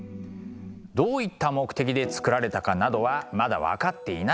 どういった目的で作られたかなどはまだ分かっていないんです。